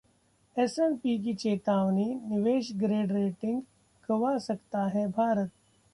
S&P की चेतावनी, निवेश ग्रेड रेटिंग गंवा सकता है भारत